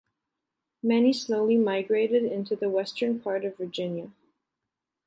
Many slowly migrated into the western part of Virginia.